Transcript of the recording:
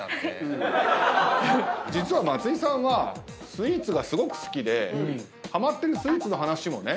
実は松井さんはスイーツがすごく好きでハマってるスイーツの話もね。